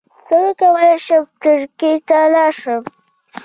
څنګه کولی شم ترکیې ته لاړ شم